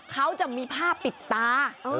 เขาจะมีผ้าปิดตา